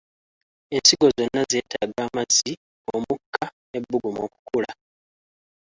Ensigo zonna zeetaaga amazzi, omukka n'ebbugumu okukula.